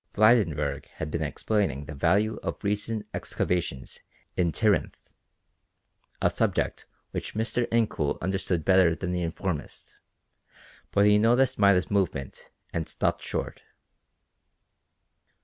Blydenburg had been explaining the value of recent excavations in Tirynth, a subject which Mr. Incoul understood better than the informist, but he noticed Maida's movement and stopped short.